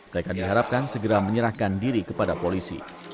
mereka diharapkan segera menyerahkan diri kepada polisi